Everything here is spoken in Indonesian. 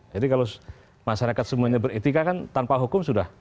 jadi kalau masyarakat semuanya beretika kan tanpa hukum sudah